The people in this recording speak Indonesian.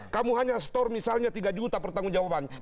kamu hanya store misalnya tiga juta pertanggung jawaban